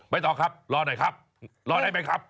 ต่อครับรอหน่อยครับรอได้ไหมครับ